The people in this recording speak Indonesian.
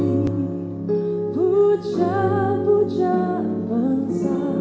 yang gak supaya dicari urban and sexual